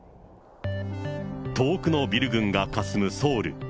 遠くのビル群がかすむソウル。